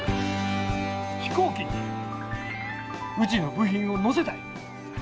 飛行機にうちの部品を乗せたい。